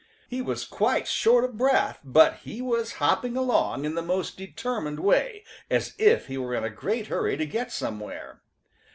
He was quite short of breath, but he was hopping along in the most determined way as if he were in a great hurry to get somewhere.